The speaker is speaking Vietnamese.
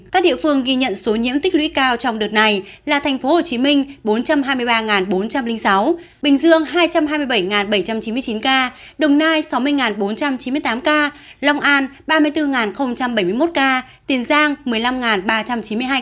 các địa phương ghi nhận số nhiễm tích lũy cao trong đợt này là tp hcm bốn trăm hai mươi ba bốn trăm linh sáu bình dương hai trăm hai mươi bảy bảy trăm chín mươi chín ca đồng nai sáu mươi bốn trăm chín mươi tám ca long an ba mươi bốn bảy mươi một ca tiền giang một mươi năm ba trăm chín mươi hai ca